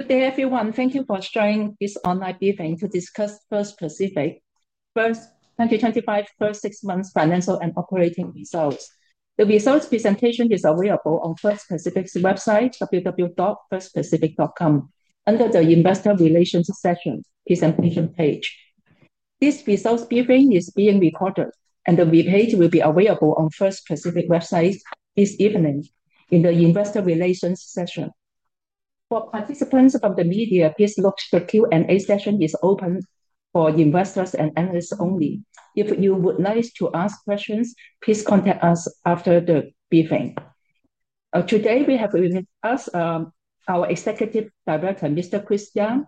Good day, everyone. Thank you for sharing this online briefing to discuss First Pacific 2025 First 6 months Financial and Operating Results. The results presentation is available on First Pacific's website www.firstpacific.com under the Investor Relations session presentation page. This results briefing is being recorded and the webpage will be available on First Pacific website this evening in the Investor Relations session. For participants from the media, please look. The Q&A session is open for investors and analysts only. If you would like to ask questions, please contact us after the briefing. Today we have with us our Executive Director Mr. Chris Young,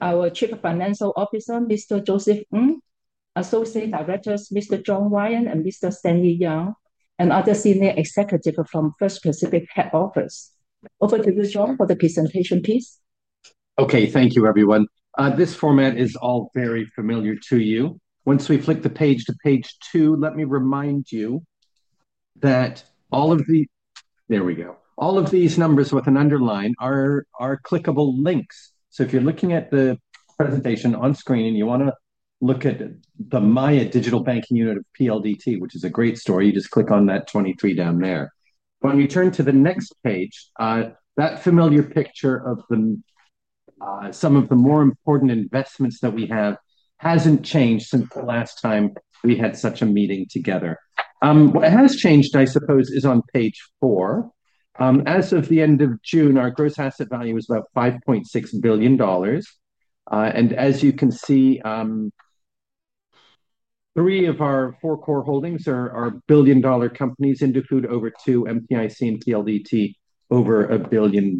our Chief Financial Officer Mr. Joseph Ng, Associate Directors Mr. John Ryan and Mr. Stanley Yang, and other senior executives from First Pacific office. Over to you, John, for the presentation piece. Okay, thank you everyone. This format is all very familiar to you. Once we flick the page to page two, let me remind you that all of the—there we go. All of these numbers with an underline are clickable links. If you're looking at the presentation on screen and you want to look at the Maya digital banking unit of PLDT, which is a great story, you just click on that 23 down there. When we turn to the next page, that familiar picture of some of the more important investments that we have hasn't changed since the last time we had such a meeting together. What has changed, I suppose, is on page four. As of the end of June, our gross asset value is about $5.6 billion. As you can see, three of our four core holdings are billion dollar companies: Indofood over $2 billion, MPIC and PLDT over $1 billion.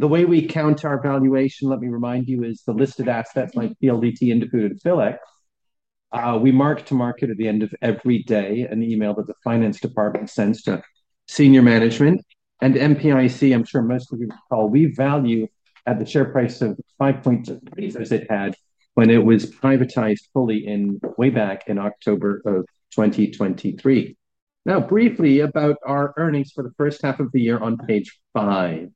The way we count our valuation, let me remind you, is the listed assets like PLDT, Indofood, and Philex, we mark to market at the end of every day. An email that the finance department sends to senior management, and MPIC, I'm sure most of you, we value at the share price of 5 points it had when it was privatized fully in way back in October of 2023. Now briefly about our earnings for the first half of the year on page five.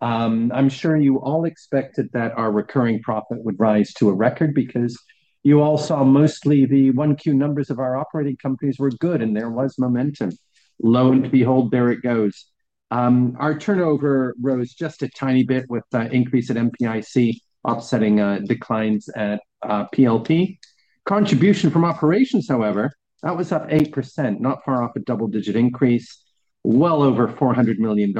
I'm sure you all expected that our recurring profit would rise to a record because you all saw mostly the 1Q numbers of our operating companies were good and there was momentum. Lo and behold, there it goes. Our turnover rose just a tiny bit with increase in MPIC offsetting declines at PLP contribution from operations. However, that was up 8%, not far off a double-digit increase, well over $400 million.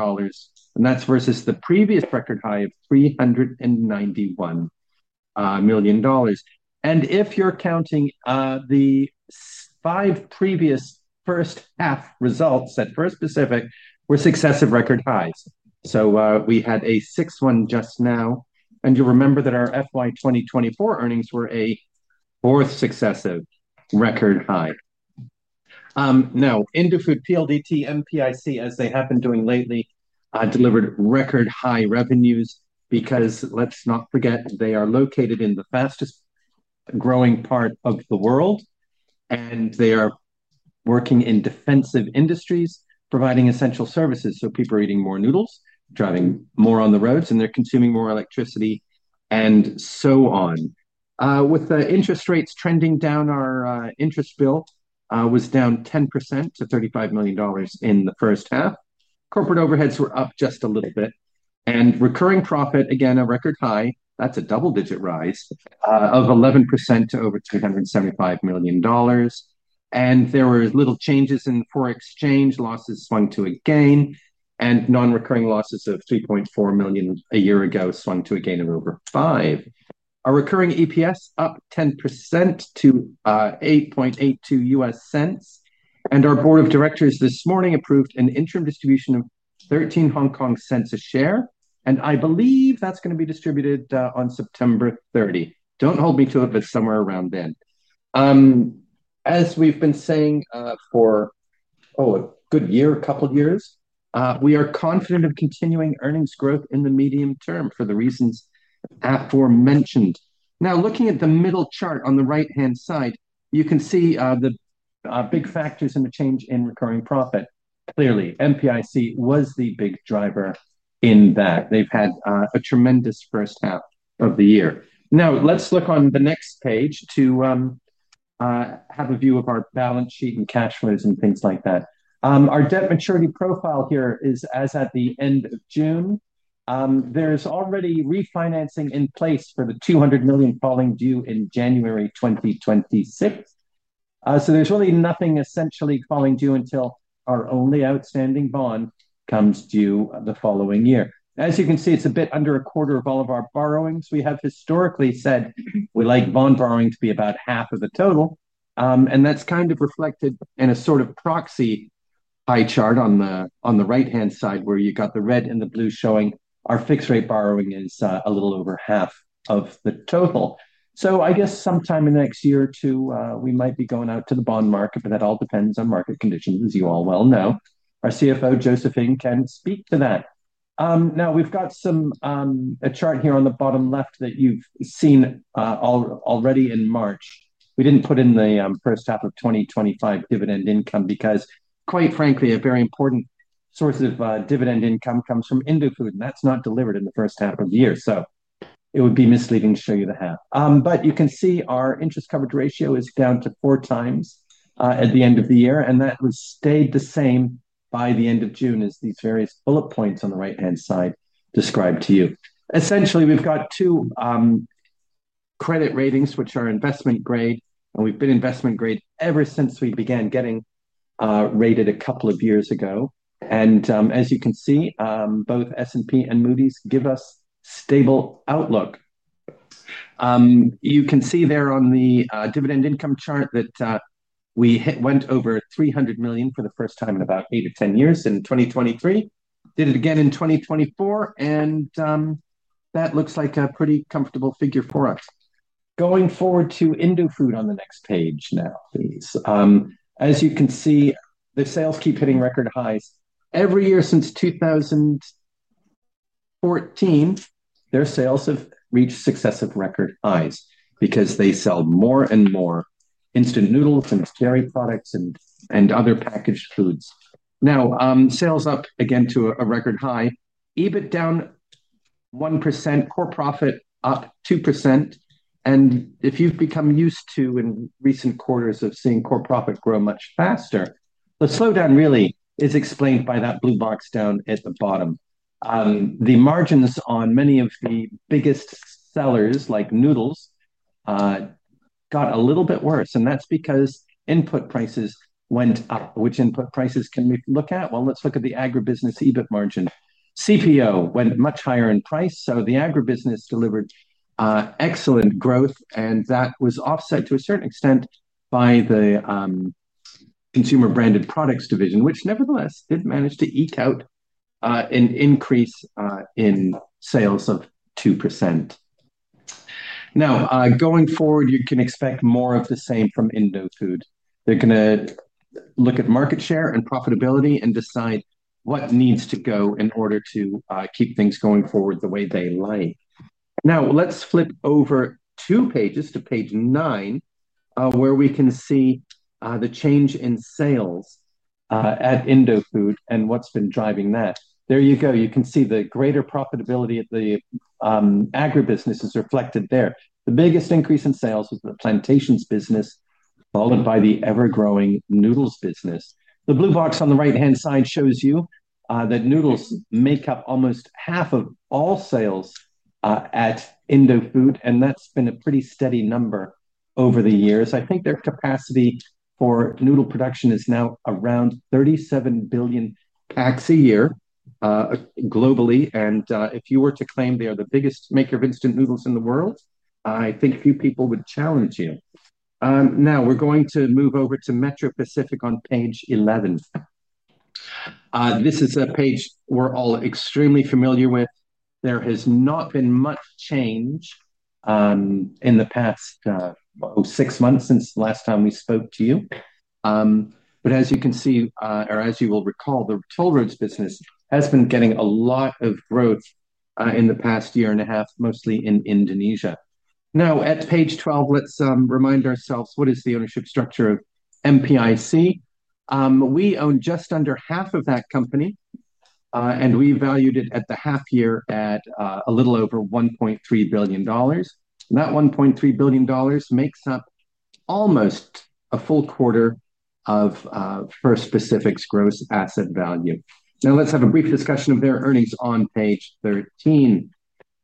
That's versus the previous record high of $391 million. If you're counting, the five previous first half results at First Pacific were successive record highs. We had a sixth one just now and you remember that our FY 2024 earnings were a fourth successive record high. Now Indofood, PLDT, MPIC, as they have been doing lately, delivered record high revenues because let's not forget they are located in the fastest growing part of the world and they are working in defensive industries providing essential services. People are eating more noodles, driving more on the roads, and they're consuming more electricity and so on. With the interest rates trending down, our interest bill was down 10% to $35 million in the first half. Corporate overheads were up just a little bit and recurring profit again a record high. That's a double-digit rise of 11% to over $375 million. There were little changes in foreign exchange losses, swung to a gain, and non-recurring losses of $3.4 million a year ago swung to a gain of over $5 million. Our recurring EPS is up 10% to $0.0882. Our Board of Directors this morning approved an interim distribution of 0.13 per share. I believe that's going to be distributed on September 30. Don't hold me to it, but somewhere around then. As we've been saying for a good year, a couple years, we are confident of continuing earnings growth in the medium-term for the reasons aforementioned. Now, looking at the middle chart on the right hand side, you can see the big factors in the change in recurring profit. Clearly, MPIC was the big driver in that; they've had a tremendous first half of the year. Now let's look on the next page to have a view of our balance sheet and cash flows and things like that. Our debt maturity profile here is as at the end of June. There's already refinancing in place for the $200 million falling due in January 2026. There's really nothing essentially falling due until our only outstanding bond comes due the following year. As you can see, it's a bit under a quarter of all of our borrowings. We have historically said we like bond borrowing to be about half of the total, and that's kind of reflected in a sort of proxy pie chart on the right hand side where you have the red and the blue showing our fixed rate borrowing is a little over half of the total. I guess sometime in the next year or two we might be going out to the bond market, but that all depends on market conditions, as you all well know. Our CFO, Joseph Ng, can speak to that. Now, we've got a chart here on the bottom left that you've seen already. In March, we didn't put in the first half of 2025 dividend income because, quite frankly, a very important source of dividend income comes from Indofood and that's not delivered in the first half of the year, so it would be misleading to show you the half. You can see our interest coverage ratio is down to four times at the end of the year, and that stayed the same by the end of June, as these various bullet points on the right hand side describe to you. Essentially, we've got two credit ratings which are investment grade, and we've been investment grade ever since we began getting rated a couple of years ago. As you can see, both S&P and Moody’s give us stable outlook. You can see there on the dividend income chart that we hit, went over $300 million for the first time in about eight to 10 years in 2023, did it again in 2024, and that looks like a pretty comfortable figure for us going forward. To Indofood on the next page now, please. As you can see, the sales keep hitting record highs. Every year since 2014, their sales have reached successive record highs because they sell more and more instant noodles and dairy products and other packaged foods. Now sales up again to a record high. EBIT down 1%, core profit up 2%. If you've become used to in recent quarters of seeing core profit grow much faster, the slowdown really is explained by that blue box down at the bottom. The margins on many of the biggest sellers like noodles got a little bit worse, and that's because input prices went up. Which input prices can we look at? Let's look at the agribusiness EBIT margin. CPO went much higher in price. The agribusiness delivered excellent growth, and that was offset to a certain extent by the Consumer Branded Products division, which nevertheless did manage to eke out an increase in sales of 2%. Going forward, you can expect more of the same from Indofood. They're going to look at market share and profitability and decide what needs to go in order to keep things going forward the way they lie. Let's flip over two pages to page nine where we can see the change in sales at Indofood and what's been driving that. There you go. You can see the greater profitability at the agribusiness is reflected there. The biggest increase in sales is the plantations business, followed by the ever-growing noodles business. The blue box on the right-hand side shows you that noodles make up almost half of all sales at Indofood, and that's been a pretty steady number over the years. I think their capacity for noodle production is now around 37 billion ATS a year globally. If you were to claim they are the biggest maker of instant noodles in the world, I think few people would challenge you. Now we're going to move over to Metro Pacific on page 11. This is a page we're all extremely familiar with. There has not been much change in the past six months since last time we spoke to you. As you can see, or as you will recall, the toll roads business has been getting a lot of growth in the past year and a half, mostly in Indonesia. Now at page 12, let's remind ourselves what is the ownership structure of MPIC? We own just under half of that company and we valued it at the half year at a little over $1.3 billion. That $1.3 billion makes up almost a full quarter of First Pacific's gross asset value. Now let's have a brief discussion of their earnings on page 13.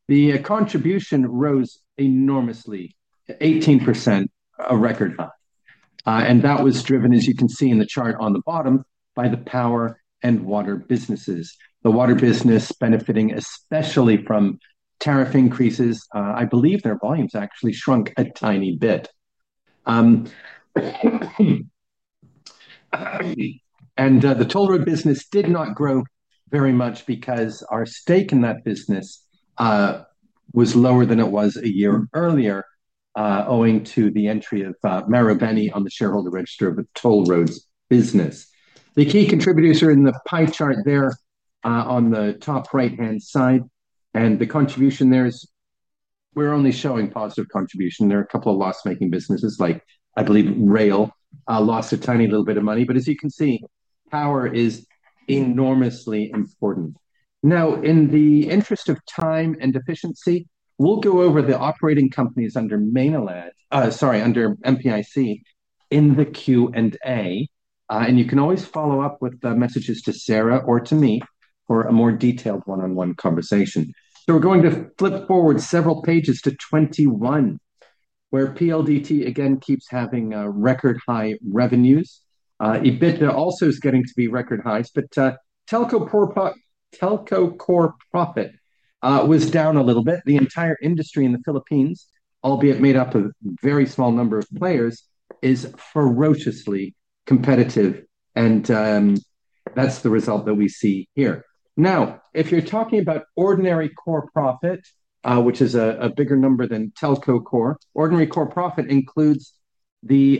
The contribution rose enormously, 18%, a record volume. That was driven, as you can see in the chart on the bottom, by the power and water businesses. The water business benefited especially from tariff increases. I believe their volumes actually shrunk a tiny bit. The toll road business did not grow very much because our stake in that business was lower than it was a year earlier owing to the entry of Marubeni on the shareholder register of a toll roads business. The key contributors are in the pie chart there on the top right hand side. The contribution there is, we're only showing positive contribution. There are a couple of loss making businesses, like I believe Rail lost a tiny little bit of money. As you can see, power is enormously important. Now in the interest of time and efficiency, we'll go over the operating companies under Maynilad, sorry, under MPIC in the Q&A, and you can always follow up with the messages to Sara or to me for a more detailed one on one conversation. We're going to flip forward several pages to 21 where PLDT again keeps having record high revenues. EBITDA also is getting to be record highs, but telco core profit was down a little bit. The entire industry in the Philippines, albeit made up a very small number of players, is ferociously competitive and that's the result that we see here. Now, if you're talking about ordinary core profit, which is a bigger number than telco core, ordinary core profit includes the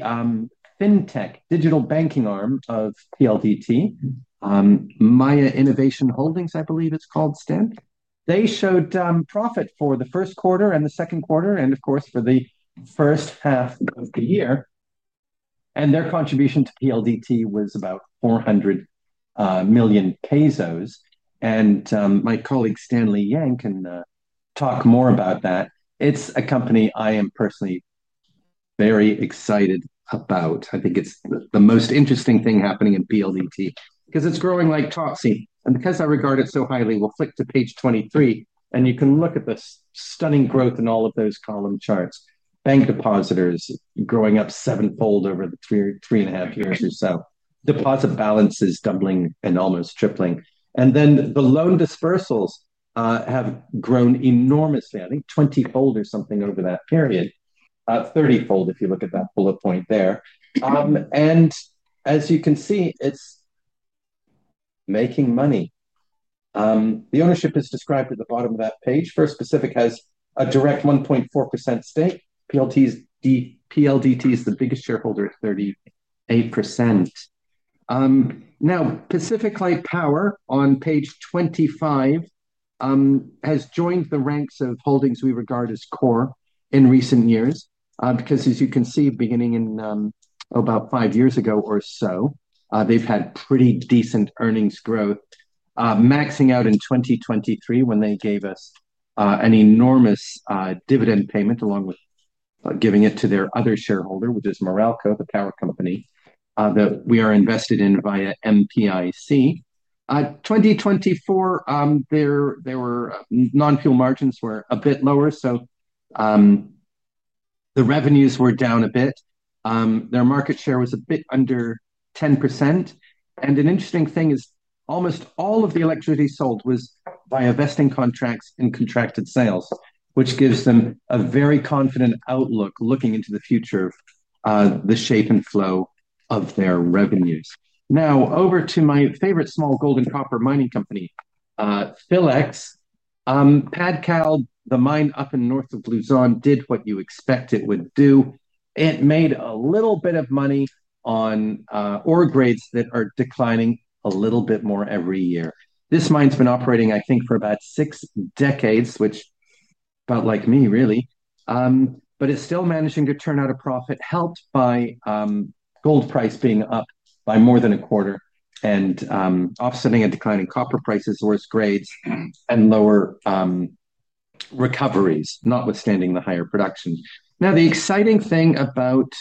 fintech digital banking arm of PLDT, Maya Innovation Holdings, I believe it's called Stan. They showed profit for the first quarter and the second quarter and of course for the first half of the year. Their contribution to PLDT was about 400 million pesos. My colleague Stanley Yang can talk more about that. It's a company I am personally very excited about. I think it's the most interesting thing happening in PLDT because it's growing like Topsy and because I regard it so highly. We'll flick to page 23 and you can look at this stunning growth in all of those column charts. Bank depositors growing up sevenfold over the three and a half years or so, deposit balances doubling and almost tripling. The loan dispersals have grown enormously, I think 20-fold or something over that period, 30-fold if you look at that bullet point there. As you can see, it's making money. The ownership is described at the bottom of that page. First Pacific has a direct 1.4% stake. PLDT is the biggest shareholder at 38%. Now, PacificLight Power on page 25 has joined the ranks of holdings we regard as core in recent years because, as you can see, beginning in about five years ago or so, they've had pretty decent earnings growth, maxing out in 2023 when they gave us an enormous dividend payment along with giving it to their other shareholder, which is Meralco, the power company that we are invested in via MPIC in 2024. Non-fuel margins were a bit lower, so the revenues were down a bit. Their market share was a bit under 10%. An interesting thing is almost all of the electricity sold was via vesting contracts and contracted sales, which gives them a very confident outlook looking into the future, the shape and flow of their revenues. Now over to my favorite small gold and copper mining company, Philex. Padcal, the mine up in north of Luzon, did what you expect it would do. It made a little bit of money on ore grades that are declining a little bit more every year. This mine's been operating, I think, for about six decades, which felt like me really, but it's still managing to turn out a profit, helped by gold price being up by more than a quarter and offsetting declining copper prices, worse grades, and lower recoveries notwithstanding the higher production. The exciting thing about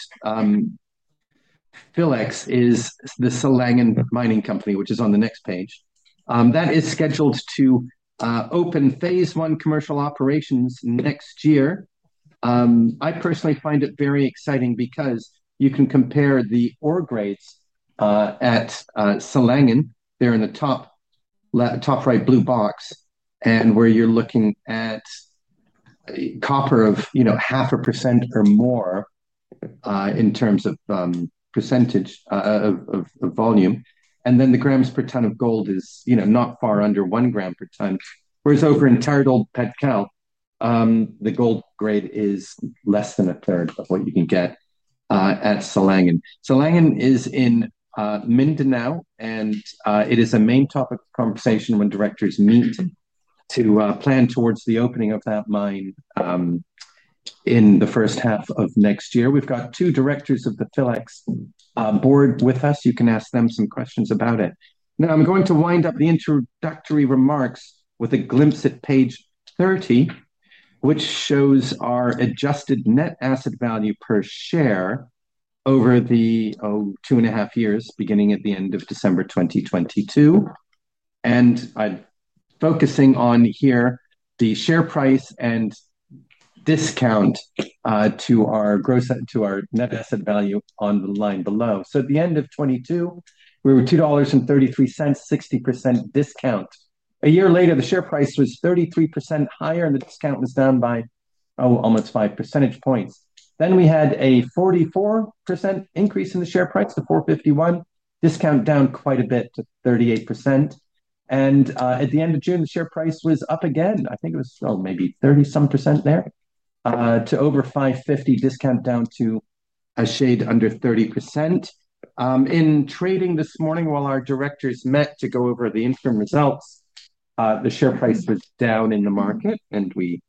Philex is the Silangan Mining Company, which is on the next page, that is scheduled to open phase one commercial operations next year. I personally find it very exciting because you can compare the ore grades at Silangan. They're in the top right blue box, and where you're looking at copper of 0.5% or more in terms of percentage of volume. The grams per ton of gold is, you know, not far under 1 g per ton. Whereas over entire old Padcal, the gold grade is less than a third of what you can get at Silangan. Silangan is in Mindanao, and it is a main topic of conversation when directors meet to plan towards the opening of that mine in the first half of next year. We've got two directors of the Philex board with us. You can ask them some questions about it. Now I'm going to wind up the introductory remarks with a glimpse at page 30, which shows our adjusted net asset value per share over the two and a half years beginning at the end of December 2022. I'm focusing on here the share price and discount to our net asset value on the line below. At the end of 2022, we were $2.33, 60% discount. A year later, the share price was 33% higher and the discount was down by almost 5 percentage points. We had a 44% increase in the share price to $4.51, discount down quite a bit to 38%. At the end of June, the share price was up again, I think it was maybe 30 some percent there to over $5.50, discount down to a shade under 30%. In trading this morning, while our directors met to go over the interim results, the share price was down in the market and we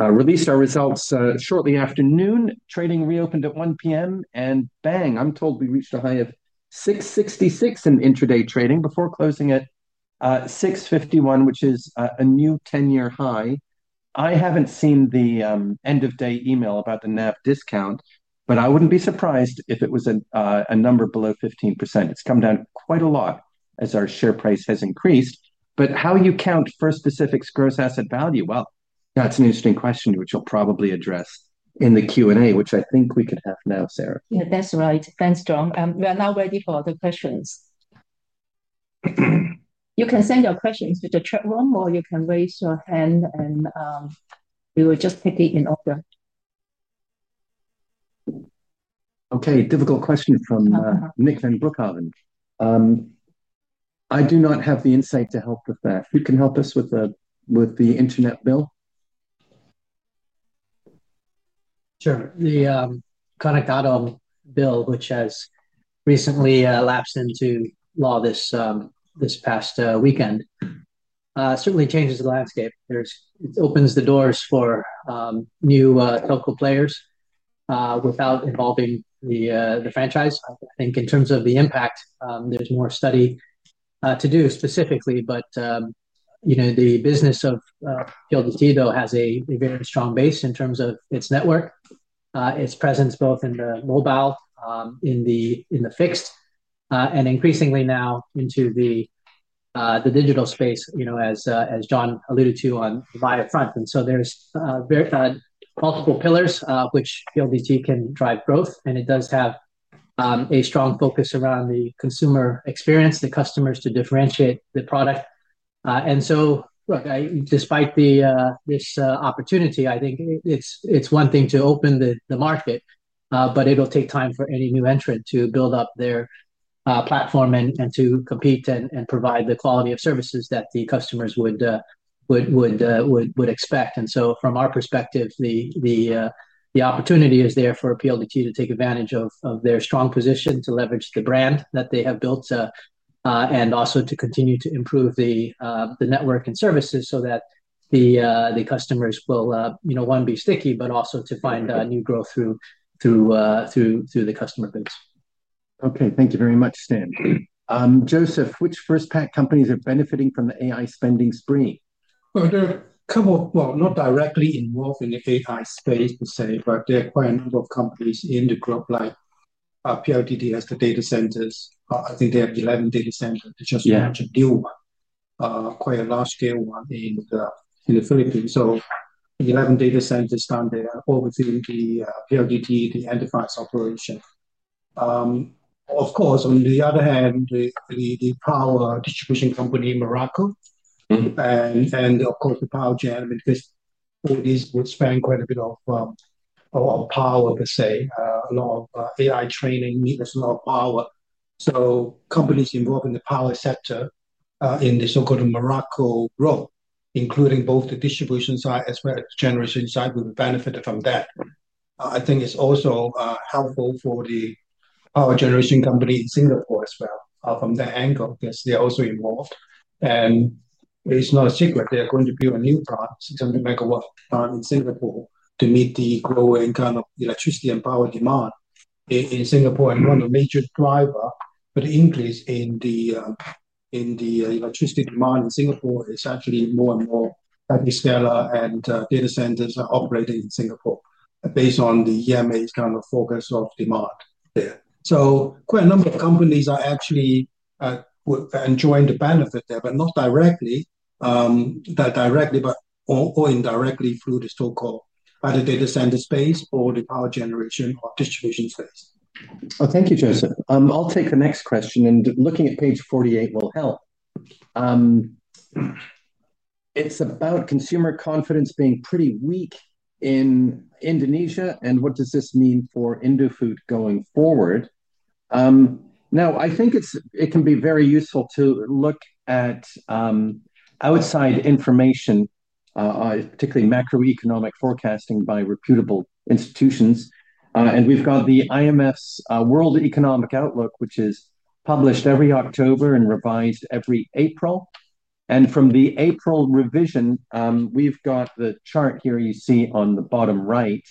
released our results shortly after noon. Trading reopened at 1:00 P.M. and bang. I'm told we reached a high of $6.66 in intraday trading before closing at $6.51, which is a new 10-year high. I haven't seen the end of day email about the NAV discount, but I wouldn't be surprised if it was a number below 15%. It's come down quite a lot as our share price has increased. How you count First Pacific's gross asset value, that's an interesting question which you'll probably address in the Q&A, which I think we could have now. Sara. Yeah, that's right. Thanks, John. We are now ready for the questions. You can send your questions to the chat room, or you can raise your hand and we will just take it in order. Okay. Difficult question from [Nicholn Brookhaven]. I do not have the insight to help with that. You can help us with the Internet bill. The Connect Autumn bill, which has recently lapsed into law this past weekend, certainly changes the landscape. It opens the doors for new telco players without involving the franchise. I think in terms of the impact, there's more study to do specifically, but you know the business of PLDT has a very strong base in terms of its network, its presence both in the mobile, in the fixed, and increasingly now into the digital space as John alluded to on the Maya front. There are multiple pillars which PLDT can drive growth, and it does have a strong focus around the consumer experience, the customers, to differentiate the product. Despite this opportunity, I think it's one thing to open the market, but it'll take time for any new entrant to build up their platform and to compete and provide the quality of services that the customers would expect. From our perspective, the opportunity is there for PLDT to take advantage of their strong position, to leverage the brand that they have built, and also to continue to improve the network and services so that the customers will, one, be sticky, but also to find new growth through the customer base. Okay, thank you very much, Stanley. Joseph, which First Pac companies are benefiting from the AI spending spree? There are a couple, not directly involved in the AI space per se, but there are quite a number of companies in the group like PLDT has the data centers. I think they have 11 data centers, just to build quite a large scale one in the Philippines of 11 data centers done. They are all within the PLDT, the enterprise operation of course. On the other hand, the power distribution company in Meralco and of course the power geologists would span quite a bit of power per se. A lot of AI training needs a lot of power. So companies involved in the power sector in the so-called Meralco role, including both the distribution side as well as generation side, have benefited from that. I think it's also helpful for the power generation company in Singapore as well from that angle because they're also involved and it's not secret, they are going to build a new product in Singapore to meet the growing kind of electricity and power demand in Singapore. One of the major drivers for the increase in the electricity demand in Singapore is actually more and more data centers are operating in Singapore based on the EMA's kind of focus of demand there. Quite a number of companies are actually enjoying the benefit there, not directly, but going directly through the so-called other data center space or the power generation distribution. Oh, thank you Joseph. I'll take the next question and looking at page 48 will help. It's about consumer confidence being pretty weak in Indonesia. What does this mean for Indofood going forward? I think it can be very useful to look at outside information, particularly macroeconomic forecasting by reputable institutions. We've got the IMF's World Economic Outlook which is published every October and revised every April. From the April revision we've got the chart here you see on the bottom right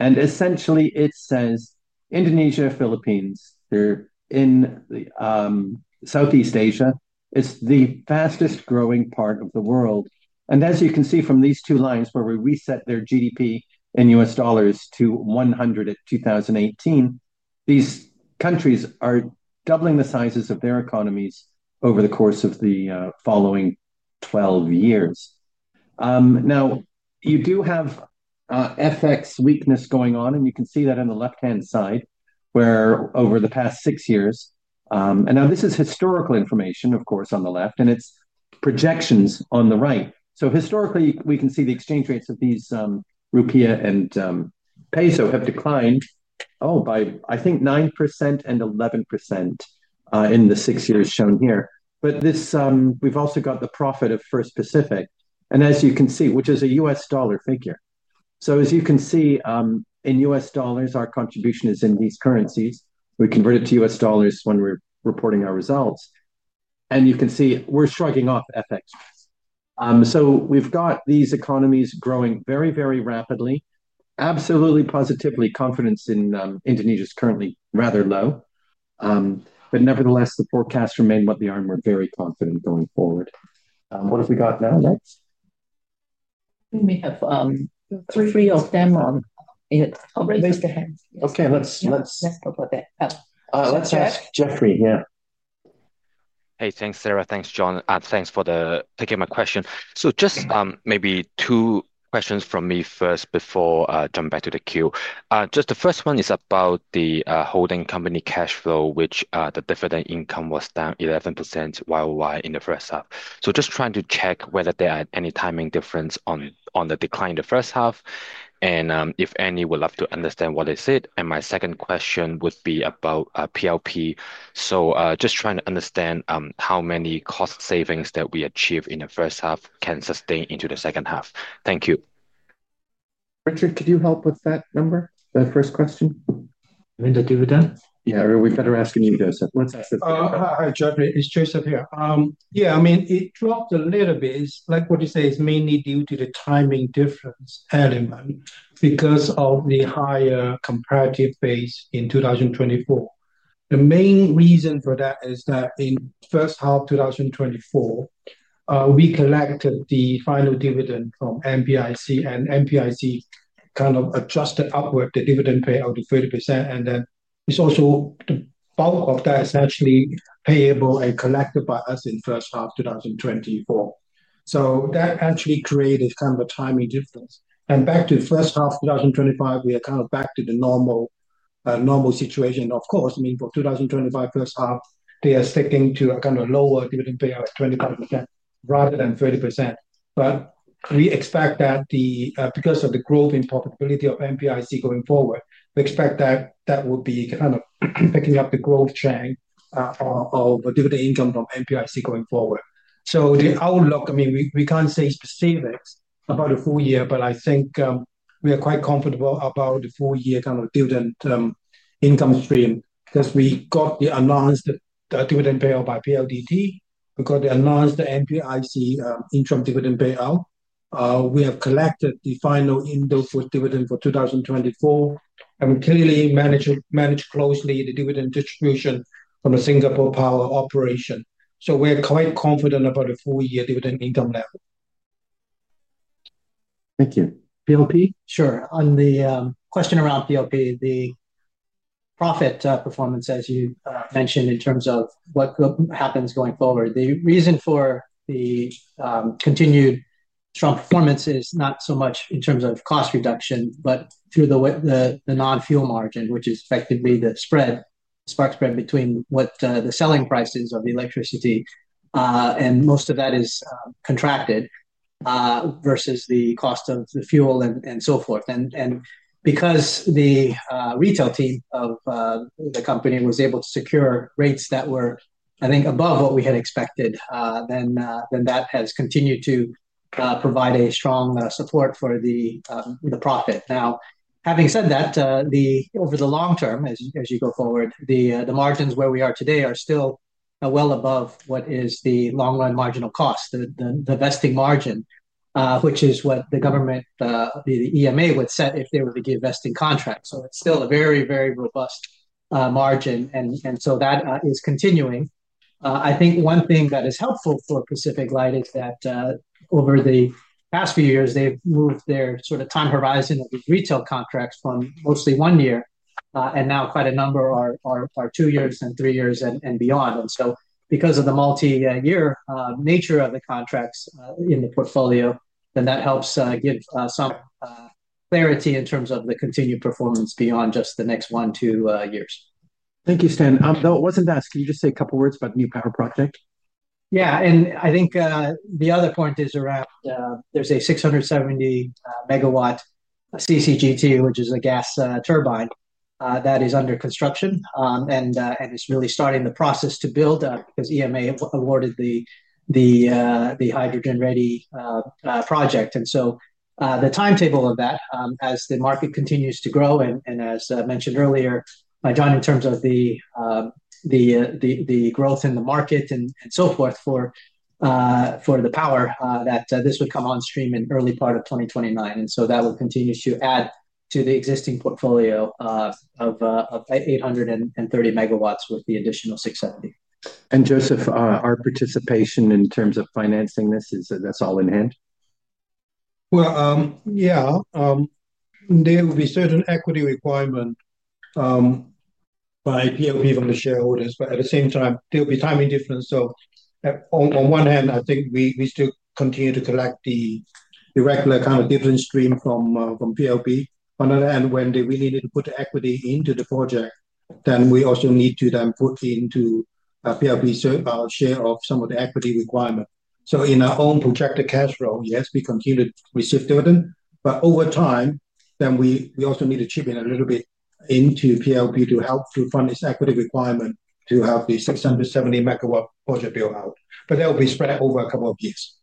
and essentially it says Indonesia, Philippines, they're in Southeast Asia, is the fastest growing part of the world. As you can see from these two lines where we reset their GDP in U.S. dollars to 100 at 2018, these countries are doubling the sizes of their economies over the course of the following 12 years. You do have FX weakness going on and you can see that on the left hand side where over the past six years and now this is historical information of course on the left and it's projections on the right. Historically we can see the exchange rates of these rupiah and peso have declined by, I think, 9% and 11% in the six years shown here. We've also got the profit of First Pacific and as you can see which is a U.S. dollar figure. As you can see in U.S. dollars our contribution is in these currencies. We convert it to U.S. dollars when we're reporting our results. You can see we're shrugging off FX. We've got these economies growing very, very rapidly. Absolutely positively. Confidence in Indonesia is currently rather low. Nevertheless the forecasts remain what the IMF are very confident going forward. What have we got now? Yeah, we have three of them on it. Okay, let's go for that. Let's ask Jeffrey. Hey, thanks Sara. Thanks John. Thanks for taking my question. Just maybe two questions from me first before I jump back to the queue. The first one is about the holding company cash flow, which the dividend income was down 11% worldwide in the first half. Just trying to check whether there are any timing differences on the decline in the first half, and if any, would love to understand what it is. My second question would be about PLP. Just trying to understand how many cost savings that we achieve in the first half can sustain into the second half. Thank you. Richard, could you help with that number, that first question? I think I'll give it done. Yeah, we better ask you, Joseph. Let's ask this. Hi Jeffrey, it's Joseph here. Yeah, I mean it dropped a little bit like what you say is mainly due to the timing difference element because of the higher comparative base in 2024. The main reason for that is that in first half 2024 we collected the final dividend from MPIC and MPIC kind of adjusted upward the dividend payout to 30%, and then it's also the bulk of that is actually payable and collected by us in first half 2024. That actually created kind of a timing difference and back to first half 2025 we are kind of back to the normal situation. Of course, I mean for 2025 first half they are sticking to a kind of lower dividend payout, 25% rather than 30%, but we expect that because of the growth in profitability of MPIC going forward we expect that that will be kind of picking up the growth chain of dividend income from MPIC going forward. The outlook, I mean we can't say specific about the full year, but I think we are quite comfortable about the full year kind of dividend income stream because we got the announced dividend payout by PLDT, we got the announced MPIC interim dividend payout, we have collected the final Indofood dividend for 2024, and we clearly manage closely the dividend distribution from the Singapore power operation. We're quite confident about a full year dividend income level. Thank you, PLP. Sure. On the question around PLP, the profit performance as you mentioned in terms of what happens going forward, the reason for the continued strong performance is not so much in terms of cost reduction but through the non-fuel margin, which is effectively the spread, spark spread, between what the selling prices of electricity are, and most of that is contracted, versus the cost of the fuel and so forth. Because the retail team of the company was able to secure rates that were, I think, above what we had expected, that has continued to provide strong support for the profit. Now, having said that, over the long term as you go forward, the margins where we are today are still well above what is the long run marginal cost, the vesting margin, which is what the government, the EMA, would set if they were to give a vesting contract. It is still a very, very robust margin and that is continuing. I think one thing that is helpful for PacificLight is that over the past few years they've moved their sort of time horizon of these retail contracts from mostly one year, and now quite a number are two years and three years and beyond. Because of the multi-year nature of the contracts in the portfolio, that helps give some clarity in terms of the continued performance beyond just the next 12 years. Thank you, Stan. Though it wasn't asked, did you just say a couple words about the new power project? Yeah, I think the other point is around there's a 670 MW CCGT, which is a gas turbine that is under construction, and it's really starting the process to build up as EMA awarded the hydrogen-ready project. The timetable of that, as the market continues to grow and as mentioned earlier by John in terms of the growth in the market and so forth for the power, is that this would come on stream in the early part of 2029. That will continue to add to the existing portfolio of 830 MW with the additional 670 MW. Joseph, our participation in terms of financing this is all in hand. There will be certain equity requirement by PLP from the shareholders, but at the same time there'll be timing difference. On one hand, I think we still continue to collect the regular kind of dividend stream from PLP. On the other hand, when they really need to put the equity into the project, then we also need to then put into PLP share of some of the equity requirements. In our own projected cash flow, yes, we continue to receive dividend, but over time we also need to chip in a little bit into PLP to help to fund this equity requirement to help the 670 MW project build out. That will be spread over a couple of years.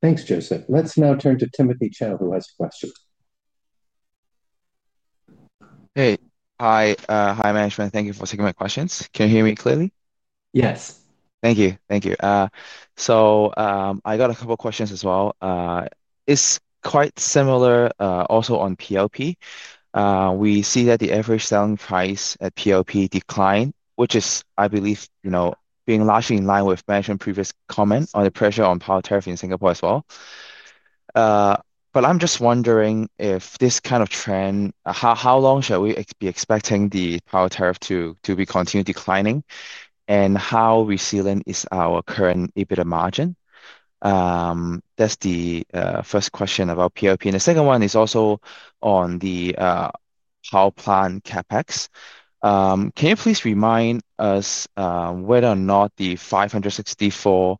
Thanks, Joseph. Let's now turn to Timothy Chow, who has a question. Hey. Hi. Hi, management, thank you for taking my questions. Can you hear me clearly? Yes. Thank you. Thank you. I got a couple of questions as well, quite similar, also on PLP. We see that the average selling price at PLP declined, which is, I believe, largely in line with the previous comment on the pressure on power tariff in Singapore as well. I'm just wondering if this kind of trend, how long should we be expecting the power tariff to continue declining, and how resilient is our current EBITDA margin? That's the first question about PLP. The second one is also on the power plant CapEx. Can you please remind us whether or not the $564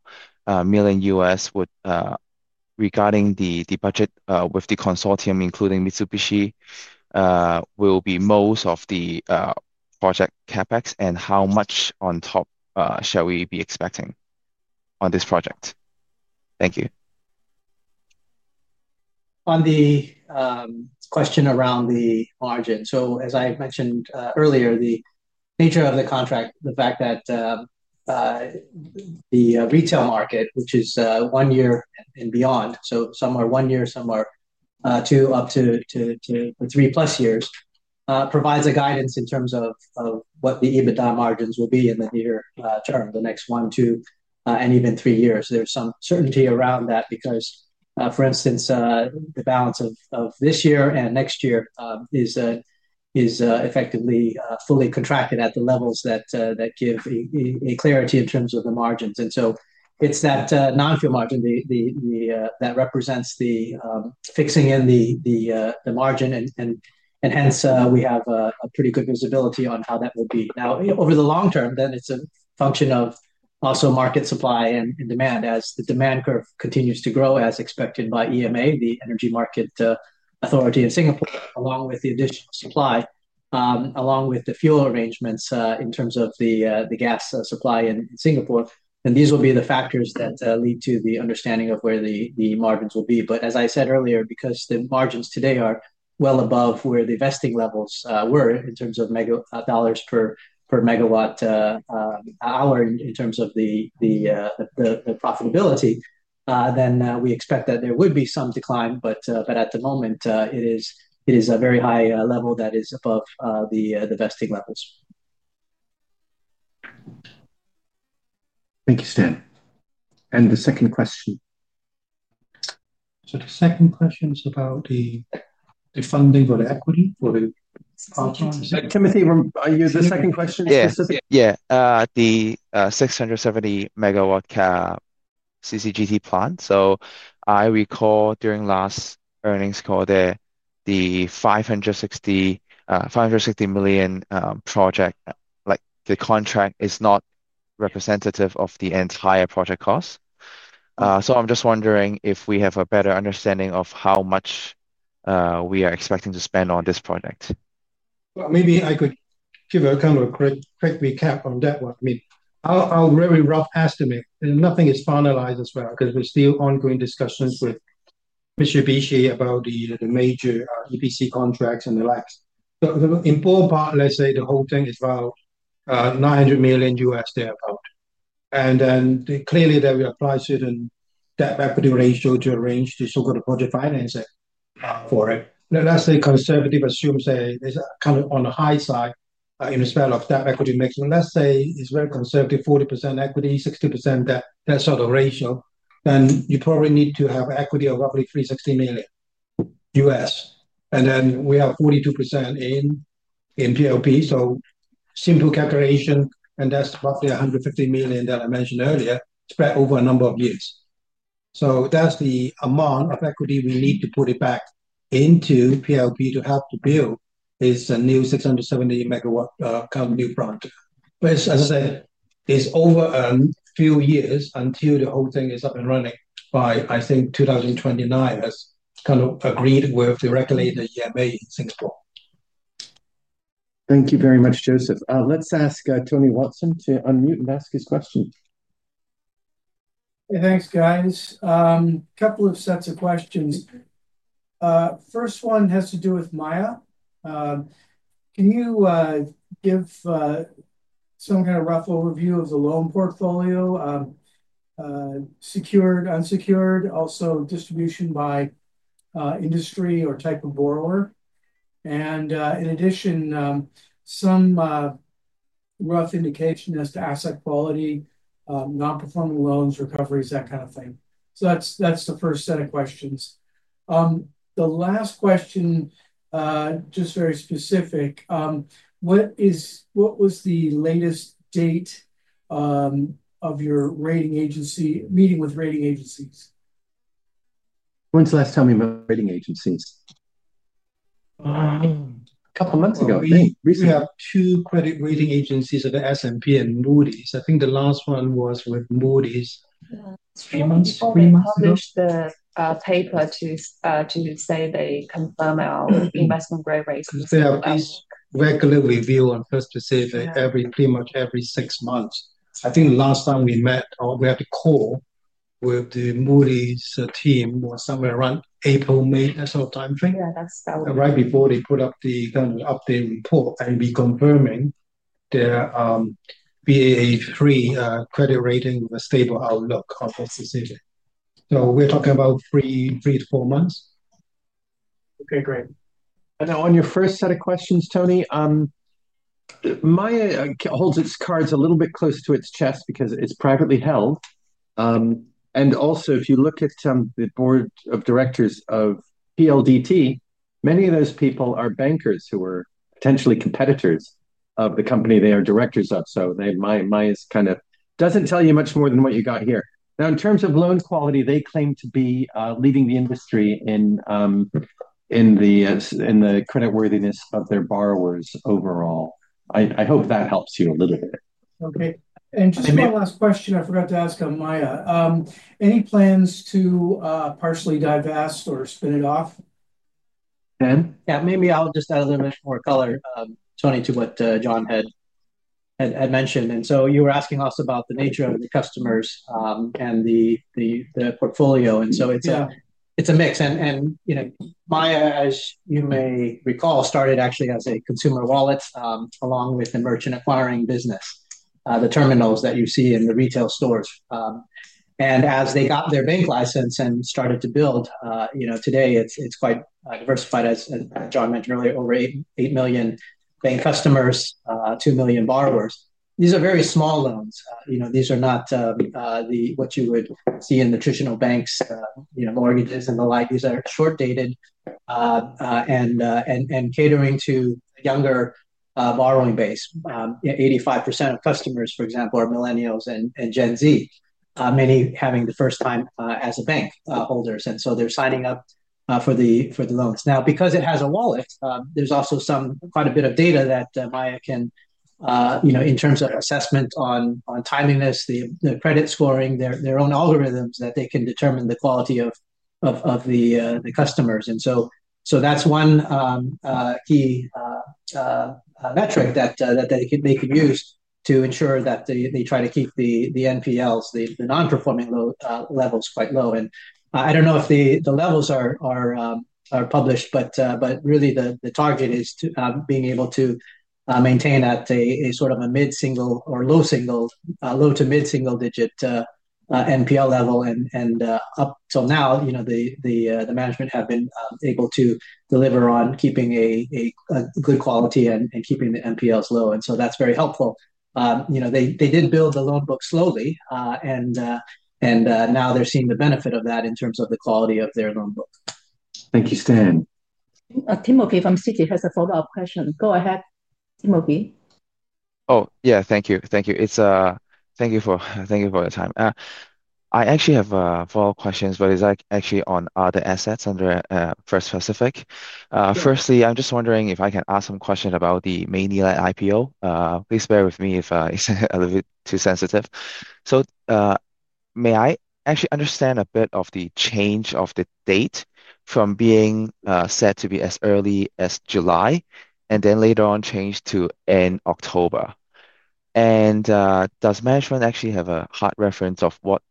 million regarding the budget with the consortium including Mitsubishi will be most of the project CapEx, and how much on top of that should we be expecting on this project? Thank you. On the question around the margin, as I mentioned earlier, the nature of the contract, the fact that the retail market which is one year and beyond, so some are one year, some are two up to three plus years, provides a guidance in terms of what the EBITDA margins will be in the near term, the next one, two and even three years. There's some certainty around that because for instance the balance of this year and next year is effectively fully contracted at the levels that give clarity in terms of the margins, and so it's that non-fuel margin that represents the fixing in the margin, and hence we have a pretty good visibility on how that will be. Now over the long term, then it's a function of also market supply and demand as the demand curve continues to grow as expected by EMA, the Energy Market Authority in Singapore, along with the additional supply, along with the fuel arrangements in terms of the gas supply in Singapore, and these will be the factors that lead to the understanding of where the margins will be. As I said earlier, because the margins today are well above where the vesting levels were in terms of mega dollars per megawatt hour in terms of the profitability, we expect that there would be some decline. At the moment, it is a very high level that is above the vesting levels. Thank you, Stan. The second question. The second question is about the funding for the equity. Timothy, are you the second question? Yeah. The 670 MW CCGT plant, so I recall during last earnings call there. The $560 million project like the contract is not representative of the entire project cost. I'm just wondering if we have a better understanding of how much we are expecting to spend on this project. Maybe I could give a kind of a quick recap on that. I'll very rough estimate nothing is finalized as well because there's still ongoing discussions with Mitsubishi about the major EPC contracts and the likes. The important part, let's say the whole thing is about $900 million there and then clearly that we apply certain debt equity ratio to arrange the so-called financing for it. Let's say conservative assumes it's kind of on the high side in the spell of debt equity mix. Let's say it's very conservative, 40% equity, 60% that sort of ratio then you probably need to have equity of roughly $360 million and then we have 42% in PLP. Simple calculation and that's roughly $150 million that I mentioned earlier spread over a number of years. That's the amount of equity we need to put it back into PLP to help build this new 670 MW company product which as I said is over a few years until the whole thing is up and running by I think 2029 as kind of agreed with the regulator EMA in Singapore. Thank you very much, Joseph. Let's ask Tony Watson to unmute and ask his question. Hey, thanks guys. Couple of sets of questions. First one has to do with Maya. Can you give some kind of rough overview of the loan portfolio, secured, unsecured, also distribution by industry or type of borrower, and in addition, some rough indication as to asset quality, non-performing loans, recoveries, that kind of thing. That's the first set of questions. The last question, just very specific. What was the latest date of your meeting with rating agencies? When's the last time we met rating agencies? Couple months ago. We have two credit rating agencies at S&P and Moody’s. I think the last one was with Moody’s three months. Published the paper to say they confirm our investment growth rate regular review. To say that every, pretty much every six months. I think last time we met we had a call with the Moody’s team was somewhere around April, May time frame, right before they put up the kind of update report and we confirming the Baa3 credit rating, the stable outlook of the decision. We're talking about three, three to four months. Okay, great. On your first set of questions, Tony, Maya holds its cards a little bit closer to its chest because it's privately held. Also, if you look at the Board of Directors of PLDT, many of those people are bankers who are potentially competitors of the company they are directors of, so Maya kind of doesn't tell you much more than what you got here. Now, in terms of loan quality, they claim to be leading the industry in the credit worthiness of their borrowers overall. I hope that helps you a little bit. Okay. Just one last question I forgot to ask about Maya. Any plans to partially divest or spin it off? Yeah, maybe I'll just add a little bit more color, Tony, to what John had mentioned. You were asking us about the nature of the customers and the portfolio, and it's a mix. Maya, as you may recall, started actually as a consumer wallet along with a merchant acquiring business, the terminals that you see in the retail stores. As they got their bank license and started to build, today it's quite diversified. As John mentioned earlier, over 8 million paying customers, 2 million borrowers. These are very small loans. These are not what you would see in the traditional banks, you know, mortgages and the like. These are short-dated and catering to a younger borrowing base. 85% of customers, for example, are millennials and Gen Z, many having the first time as bank holders, and so they're signing up for the loans now because it has a wallet. There's also quite a bit of data that Maya can use in terms of assessment on timeliness, the credit scoring, their own algorithms that they can determine the quality of the customers, and that's one key metric that they can use to ensure that they try to keep the NPLs, the non-performing levels, quite low. I don't know if the levels are published, but really the target is being able to maintain at a sort of mid-single or low to mid-single digit NPL level. Up until now, the management have been able to deliver on keeping a good quality and keeping the NPLs low, and that's very helpful. They did build the loan book slowly, and now they're seeing the benefit of that in terms of the quality of their loan book. Thank you, Stan. [Timokie] from Citi has a follow-up question. Go ahead, [Timokie]. Thank you, thank you. Thank you for your time. I actually have four questions but it's actually on other assets under First Pacific. Firstly, I'm just wondering if I can ask some questions about the Maynilad IPO. Please bear with me if it's a little bit too sensitive. May I actually understand a bit of the change of the date from being set to be as early as July and then later on changed to end October, and does management actually have a hard reference of what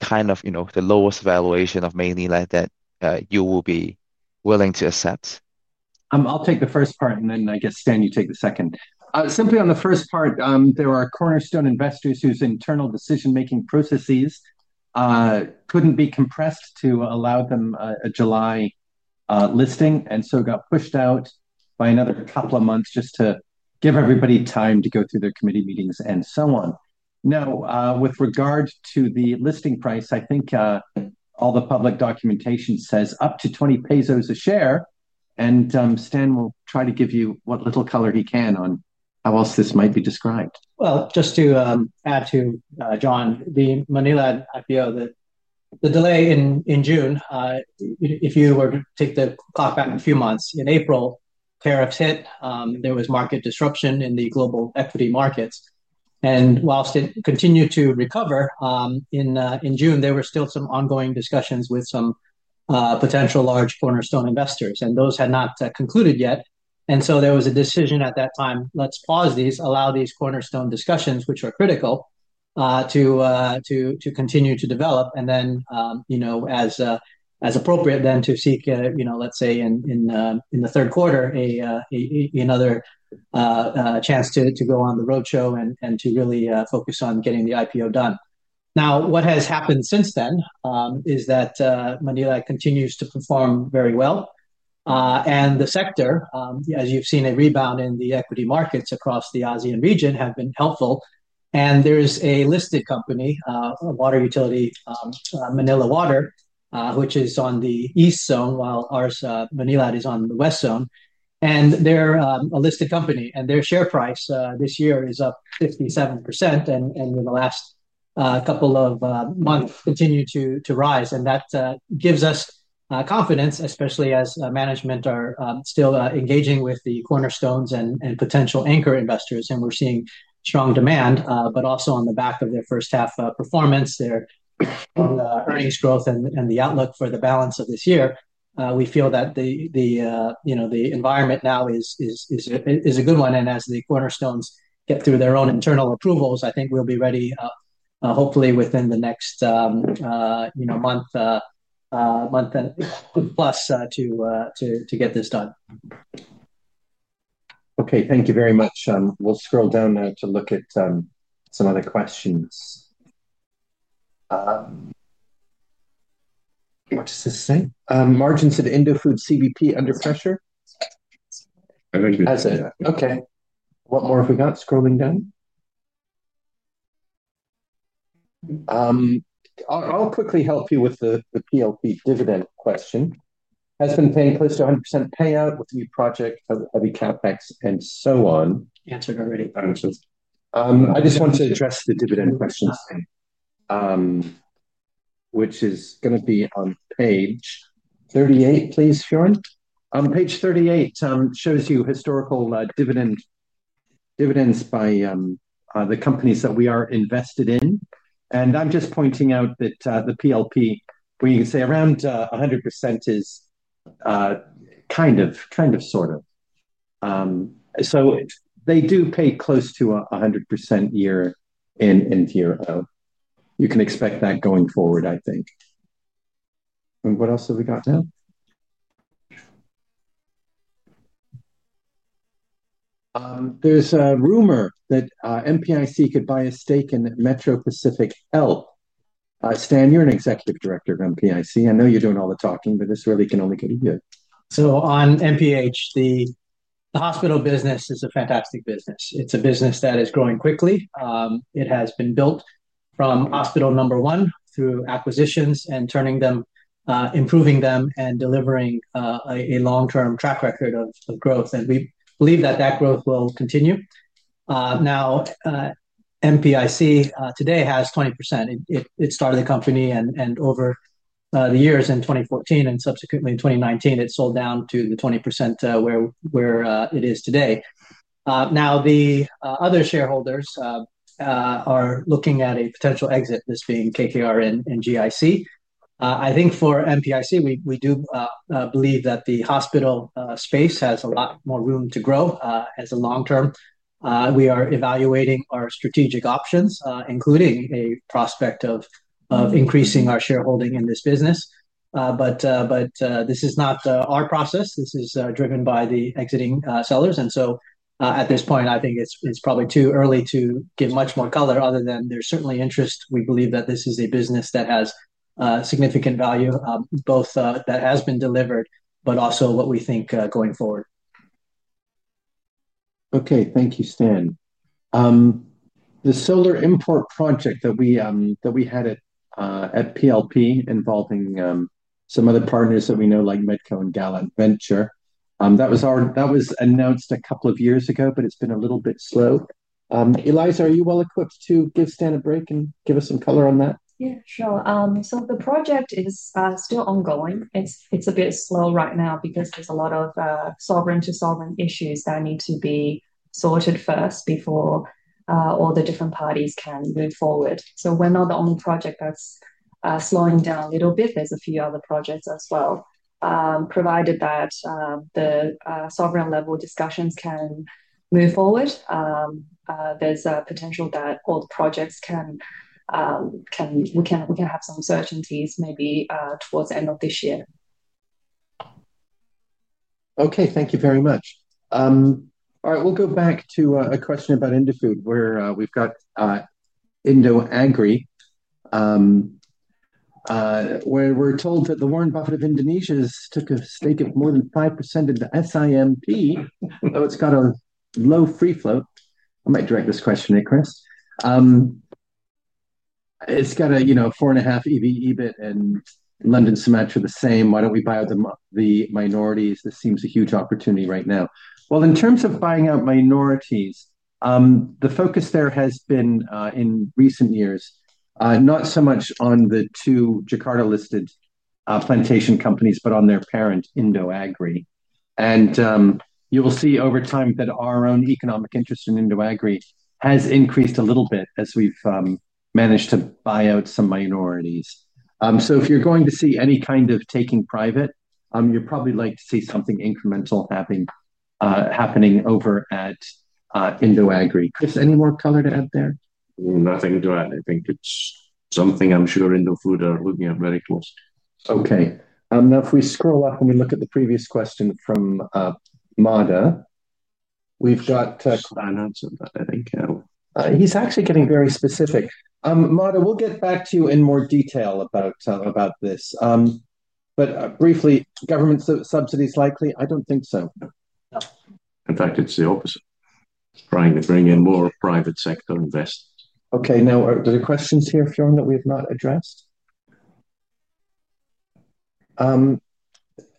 kind of, you know, the lowest valuation of Maynilad that you will be willing to accept? I'll take the first part and then I guess Stan, you take the second. Simply on the first part, there are cornerstone investors whose internal decision-making processes couldn't be compressed to allow them a July listing, and so got pushed out by another couple of months just to give everybody time to go through their committee meetings and so on. Now, with regard to the listing price, I think all the public documentation says up to 20 pesos a share, and Stan will try to give you what little color he can on how else this might be described. Just to add to John, the Maynilad IPO, the delay in June, if you were to take the clock back a few months, in April tariffs hit. There was market disruption in the global equity markets, and whilst it continued to recover in June, there were still some ongoing discussions with some potential large cornerstone investors, and those had not concluded yet. There was a decision at that time to pause these, allow these cornerstone discussions, which are critical, to continue to develop, and then, as appropriate, to seek, let's say, in the third quarter, another chance to go on the roadshow and to really focus on getting the IPO done. What has happened since then is that Maynilad continues to perform very well, and the sector, as you've seen, a rebound in the equity markets across the ASEAN region, have been helpful. There is a listed company water utility, Manila Water, which is on the east zone, while ours, Maynilad, is on the west zone, and they're a listed company, and their share price this year is up 57%, and in the last couple of months, continues to rise. That gives us confidence, especially as management are still engaging with the cornerstones and potential anchor investors, and we're seeing strong demand, but also on the back of their first half performance, their earnings growth, and the outlook for the balance of this year, we feel that the environment now is a good one. As the cornerstones get through their own internal approvals, I think we'll be ready, hopefully within the next month, month and plus, to get this done. Okay, thank you very much. We'll scroll down now to look at some other questions. Margins at Indofood CVP under pressure. What more have we got? Scrolling down, I'll quickly help you with the PLP dividend question. Has been paying close to 100% payout with new project, every CapEx and so on answered already. I just want to address the dividend question which is going to be on page 38 please, Fioren. Page 38 shows you historical dividends by the companies that we are invested in. I'm just pointing out that the PLP, we say around 100%, is kind of, kind of sort of. They do pay close to 100% year in, year out. You can expect that going forward, I think. What else have we got? Now there's a rumor that MPIC could buy a stake in Metro Pacific Health. Stan, you're an Executive Director of MPIC. I know you're doing all the talking, but this really can only get a year. MPH, the hospital business is a fantastic business. It's a business that is growing quickly. It has been built from hospital number one through acquisitions and turning them, improving them, and delivering a long-term track record of growth. We believe that that growth will continue. Now, MPIC today has 20%. It started the company, and over the years in 2014 and subsequently in 2019, it sold down to the 20% where it is today. The other shareholders are looking at a potential exit, this being KKR and GIC. I think for Metro Pacific Investments Corporation, we do believe that the hospital space has a lot more room to grow as a long-term investment. We are evaluating our strategic options, including a prospect of increasing our shareholding in this business. This is not our process. This is driven by the exiting sellers. At this point, I think it's probably too early to give much more color other than there's certainly interest. We believe that this is a business that has significant value, both that has been delivered, but also what we think going forward. Okay, thank you, Stan. The solar import project that we had at PLP involving some other partners that we know like Metco and Gallant Venture, that was announced a couple of years ago, but it's been a little bit slow. Eliza, are you well equipped to give Stan a break and give us some color on that? Yeah, sure. The project is still ongoing. It's a bit slow right now because there's a lot of sovereign to solvent issues that need to be sorted first before all the different parties can move forward. We're not the only project that's slowing down a little bit. There are a few other projects as well. Provided that the sovereign level discussions can move forward, there's a potential that all the projects can. We can have some certainties maybe towards the end of this year. Okay, thank you very much. All right, we'll go back to a question about Indofood where we've got Indo angry, where we're told that the Warren Buffett of Indonesia took a stake of more than 5% in the SIMP. Though it's got a low free float. I might direct this question to Chris. It's got a, you know, four and a half EV, EBIT and London Sumatra, the same. Why don't we buy them up, the minorities? This seems a huge opportunity right now. In terms of buying out minorities, the focus there has been in recent years, not so much on the two Jakarta-listed plantation companies, but on their parent IndoAgri. You will see over time that our own economic interest in IndoAgri has increased a little bit as we've managed to buy out some minorities. If you're going to see any kind of taking private, you'd probably like to see something incremental happening over at IndoAgri. Any more color to add there? Nothing to add. I think it's something I'm sure Indofood are looking at very close. Okay, now if we scroll up and we look at the previous question from Madha, we've got, I think he's actually getting very specific. Madha, we'll get back to you in more detail about this. Briefly, government subsidies likely? I don't think so. In fact, it's the opposite, trying to bring in more private sector investors. Okay, now there are questions here from that we have not addressed,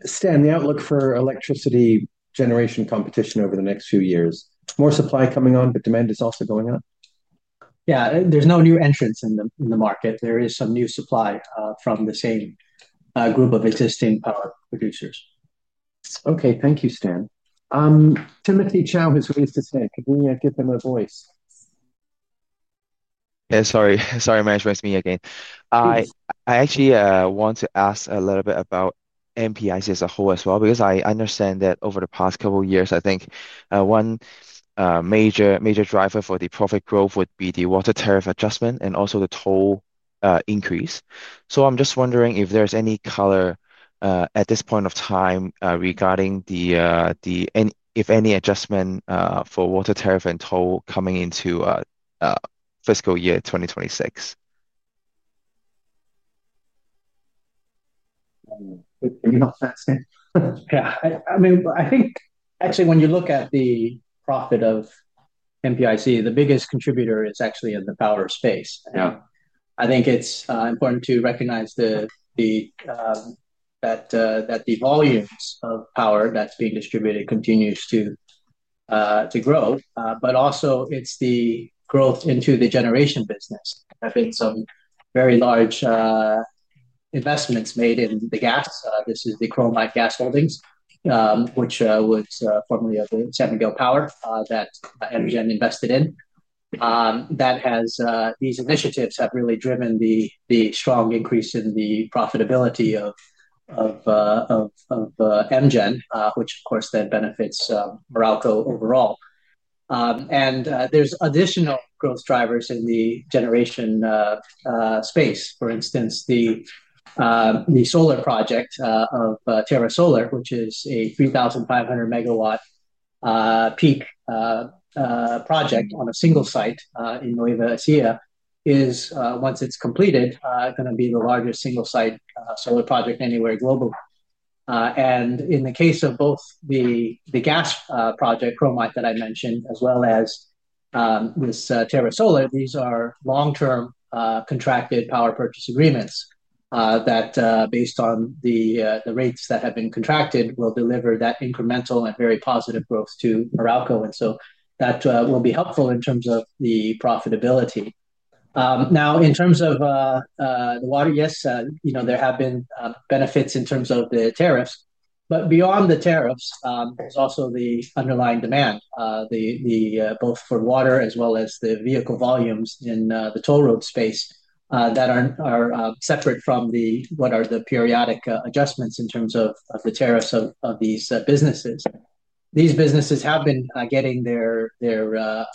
Stan. The outlook for electricity generation competition over the next few years. More supply coming on, but demand is also going up. Yeah, there's no new entrants in the market. There is some new supply from the same group of existing power producers. Okay, thank you, Stan. Timothy Chow has ways to say can we give them a voice? Sorry, management, it's me again. I actually want to ask a little bit about MPIC as a whole as well because I understand that over the past couple of years I think one major driver for the profit growth would be the water tariff adjustment and also the toll increase. I'm just wondering if there's any color at this point of time regarding the and if any adjustment for water tariff and toll coming into fiscal year 2026. Yeah, I mean I think actually when you look at the profit of MPIC the biggest contributor is actually in the power space. I think it's important to recognize that the volumes of power that's being distributed continues to grow but also it's the growth into the generation business. I think some very large investments made in the gas. This is the Chromite gas holdings which was formerly of the San Miguel Power that MGen invested in that has these initiatives have really driven the strong increase in the profitability of MGen which of course then benefits Meralco overall and there's additional growth drivers in the generation space. For instance, the solar project of Terra Solar which is a 3,500 MW peak project on a single site in Nueva Ecija is once it's completed going to be the largest single site solar project anywhere global. In the case of both the gas project Chromite that I mentioned, as well as with Terra Solar, these are long term projects, contracted power purchase agreements that based on the rates that have been contracted, will deliver that incremental and very positive growth to Meralco. That will be helpful in terms of the profitability. Now in terms of the water, yes, there have been benefits in terms of the tariffs, but beyond the tariffs is also the underlying demand both for water as well as the vehicle volumes in the toll road space that are separate from the periodic adjustments in terms of the tariffs of these businesses. These businesses have been getting their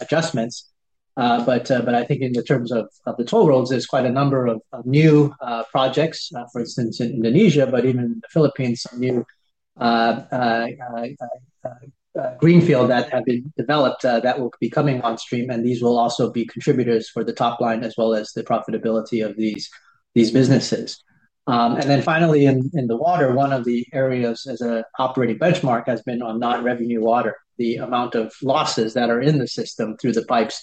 adjustments, but I think in the terms of the toll roads there's quite a number of new projects. For instance in Indonesia, but even Philippines. New Greenfield that have been developed that will be coming on stream, and these will also be contributors for the top line as well as the profitability of these businesses. Finally, in the water, one of the areas as an operating benchmark has been on non-revenue water, the amount of losses that are in the system through the pipes.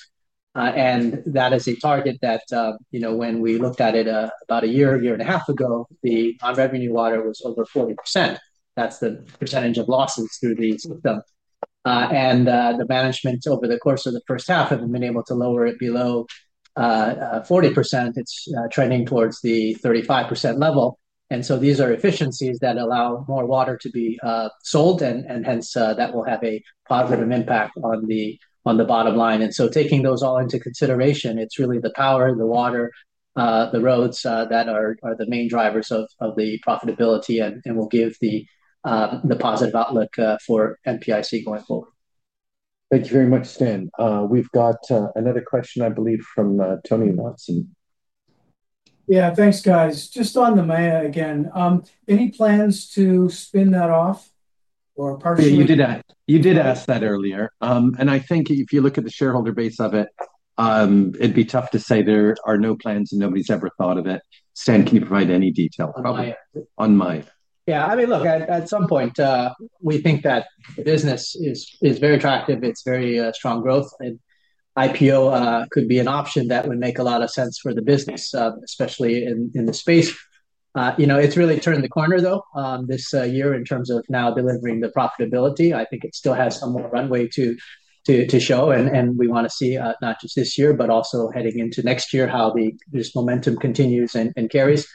That is a target that when we looked at it about a year, year and a half ago, the non-revenue water was over 40%. That's the percentage of losses through these. The management over the course of the first half have been able to lower it below 40%. It's trending towards the 35% level. These are efficiencies that allow more water to be sold, and hence that will have a positive impact on the bottom line. Taking those all into consideration, it's really the power, the water, the roads that are the main drivers of the profitability and will give the positive outlook for MPIC going forward. Thank you very much, Stan. We've got another question, I believe, from Tony Watson. Yeah, thanks guys. Just on the Maya again, any plans to spin that off or partially? You did ask that earlier, and I think if you look at the shareholder base of it, it'd be tough to say there are no plans and nobody's ever thought of it. Stan, can you provide any detail on my. Yeah, I mean look, at some point we think that the business is very attractive, it's very strong growth. IPO could be an option that would make a lot of sense for the business, especially in the space. You know, it's really turned the corner this year in terms of now delivering the profitability. I think it still has some more runway to show and we want to see not just this year, but also heading into next year how this momentum continues and carries.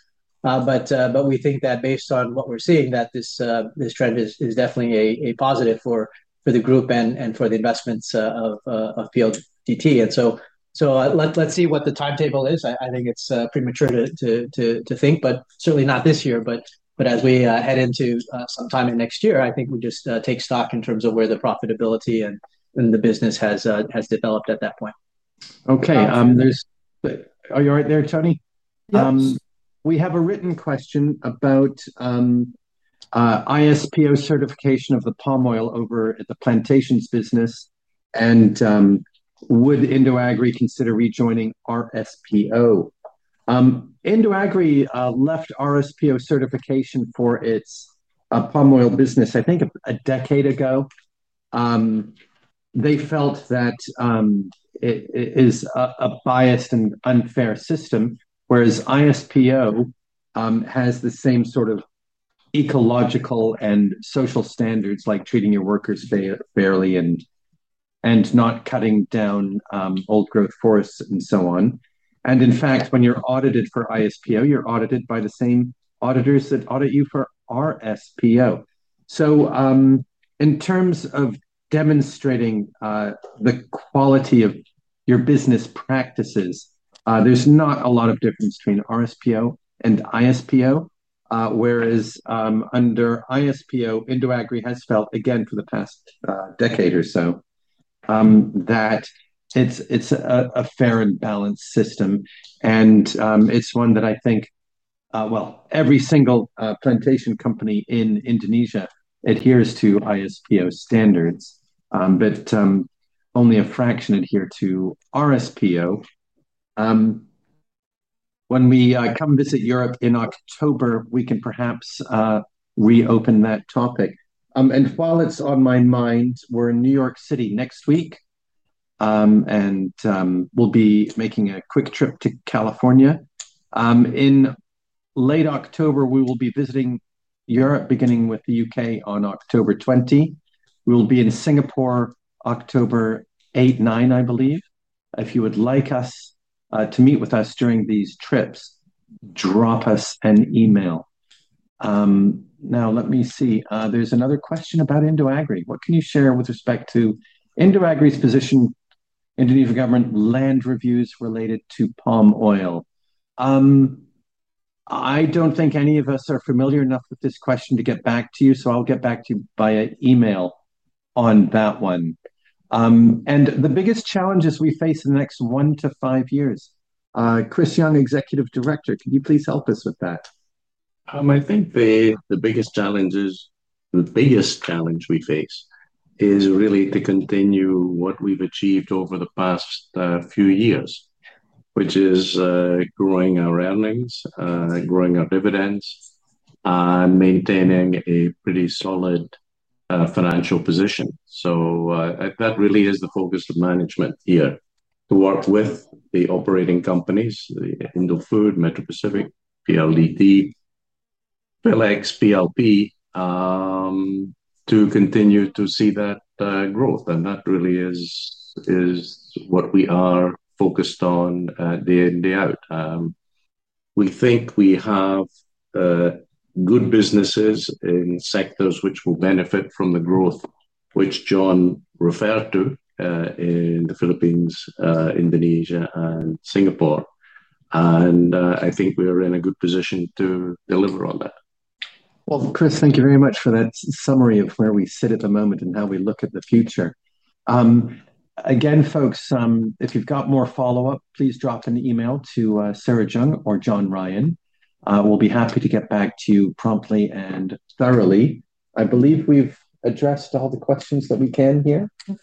We think that based on what we're seeing, that this trend is definitely a positive for the group and for the investments of PLDT. Let's see what the timetable is. I think it's premature to think, certainly not this year. As we head into time in next year, I think we just take stock in terms of where the profitability and the business has developed at that point. Okay, there's. Are you all right there, Tony? We have a written question about ISPO certification of the palm oil over at the plantations business. Would IndoAgri consider rejoining RSPO? IndoAgri left RSPO certification for its palm oil business, I think a decade ago. They felt that it is a biased and unfair system, whereas ISPO has the same sort of ecological and social standards, like treating your workers fairly and not cutting down old growth forests and so on. In fact, when you're audited for ISPO, you're audited by the same auditors that audit you for RSPO. In terms of demonstrating the quality of your business practices, there's not a lot of difference between RSPO and ISPO. Under ISPO, IndoAgri has felt again for the past decade or so that it's a fair and balanced system. It's one that I think every single plantation company in Indonesia adheres to ISPO standards, but only a fraction adhere to RSPO. When we come visit Europe in October, we can perhaps reopen that topic. While it's on my mind, we're in New York City next week and we'll be making a quick trip to California in late October. We will be visiting Europe beginning with the U.K. on October 20. We will be in Singapore October 8-9, I believe. If you would like to meet with us during these trips, drop us an email now. Let me see. There's another question about IndoAgri. What can you share with respect to IndoAgri's position? Indonesia government land reviews related to palm oil? I don't think any of us are familiar enough with this question to get back to you. I'll get back to you via email on that one. The biggest challenges we face in the next one to five years. Chris Young, Executive Director, can you please help us with that? I think the biggest challenge we face is really to continue what we've achieved over the past few years, which is growing our earnings, growing our dividends, maintaining a pretty solid financial position. That really is the focus of management here, to work with the operating companies Indofood, Metro Pacific, PLDT, Philex, PLP, to continue to see that growth. That really is what we are focused on day in, day out. We think we have good businesses in sectors which will benefit from the growth which John referred to in the Philippines, Indonesia, and Singapore. I think we are in a good position to deliver on that. Chris, thank you very much for that summary of where we sit at the moment and how we look at the future. Again, folks, if you've got more follow up, please drop an email to Sara Cheung or John Ryan. We'll be happy to get back to you promptly and thoroughly. I believe we've addressed all the questions that we can here. I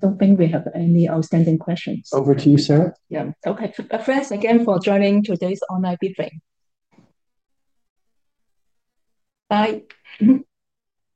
don't think we have any outstanding questions. Over to you, Sara. Yeah. Okay, thanks again for joining today's online. Bye.